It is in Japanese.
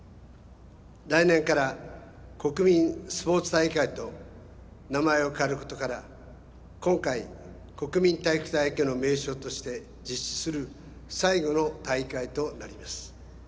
来年から国民スポーツ大会と名前を変えることから今回、国民体育大会の名称として実施する最後の大会となります。